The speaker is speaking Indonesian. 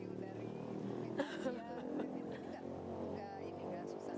ini nggak susah